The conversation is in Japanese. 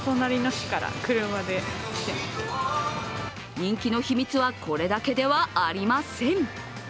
人気の秘密はこれだけではありません。